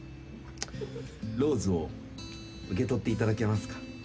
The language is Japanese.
ローズを受け取っていただけますか？